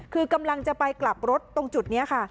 คือกำลังจะไปกลับรถตรงจุดนี้ค่ะ